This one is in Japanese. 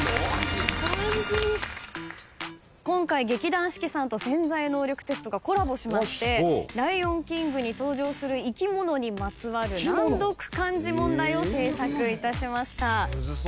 今回劇団四季さんと『潜在能力テスト』がコラボしまして『ライオンキング』に登場する生き物にまつわる難読漢字問題を制作いたしました。